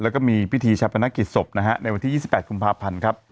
แล้วก็มีพิธีชาปนกิจศพนะฮะในวันที่๒๘กุมภาพันธ์ครับ